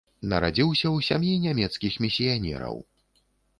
Нарадзіўся ў сям'і нямецкіх місіянераў.